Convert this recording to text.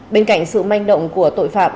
bên cạnh sự manh động của tội phạm